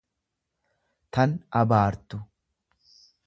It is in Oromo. tan abaartu.